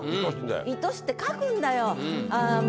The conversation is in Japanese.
「愛し」って書くんだよ。